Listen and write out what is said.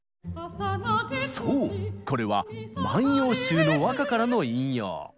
そうこれは「万葉集」の和歌からの引用。